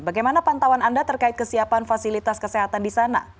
bagaimana pantauan anda terkait kesiapan fasilitas kesehatan di sana